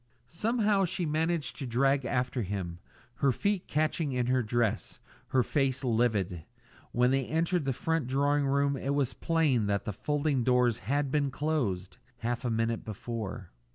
Somehow she managed to drag after him, her feet catching in her dress, her face livid. When they entered the front drawing room it was plain that the folding doors had been closed half a minute before.